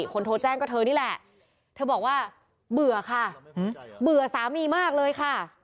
คนโทรแจ้งก็เธอนี่แหละเธอบอกว่าเบื่อค่ะเบื่อสามีมากเลยค่ะ